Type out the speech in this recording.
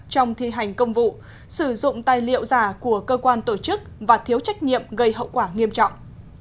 trong thi hành công vụ sử dụng tài liệu giả của cơ quan tổ chức và thiếu trách nhiệm gây hậu quả nghiêm trọng